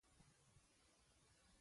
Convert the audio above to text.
اوبه د لامبو وهلو لپاره وي.